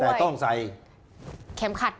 แต่ต้องใส่เข็มขัด